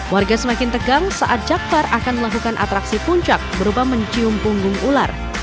warga semakin tegang saat jakfar akan melakukan atraksi puncak berupa mencium punggung ular